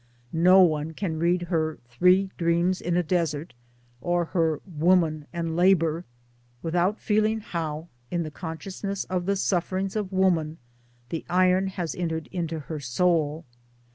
No one can read her Three Dreams in a Desert or her Woman and Labour without feeling how in the consciousness of the suffer ings of Woman the iron has entered into her soul.